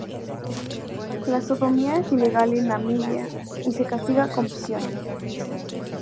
La sodomía es ilegal en Namibia, y se castiga con prisión.